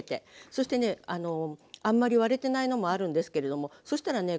そしてねあんまり割れてないのもあるんですけれどもそしたらね